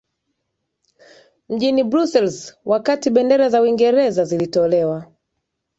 mjini Brussels wakati bendera za Uingereza zilitolewa